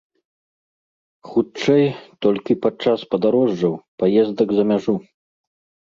Хутчэй, толькі падчас падарожжаў, паездак за мяжу.